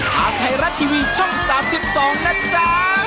ทางไทยรัฐทีวีช่อง๓๒นะจ๊ะ